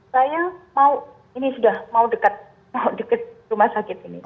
saya mau ini sudah mau dekat rumah sakit ini